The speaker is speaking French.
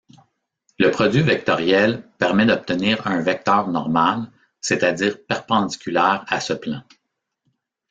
Le produit vectoriel permet d'obtenir un vecteur normal, c'est-à-dire perpendiculaire à ce plan.